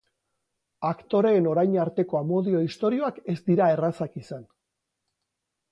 Aktoreen orain arteko amodio istorioak ez dira errazak izan.